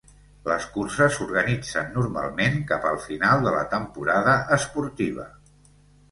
Les curses s'organitzen normalment cap al final de la temporada esportiva.